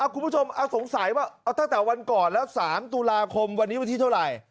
คุณผู้ชมเอาสงสัยว่าเอาตั้งแต่วันก่อนแล้ว๓ตุลาคมวันนี้วันที่เท่าไหร่